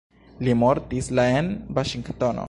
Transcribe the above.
Li mortis la en Vaŝingtono.